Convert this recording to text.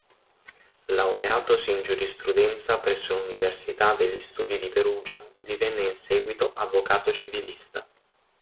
Laureatosi in Giurisprudenza presso l'Università degli Studi di Perugia, divenne in seguito avvocato civilista.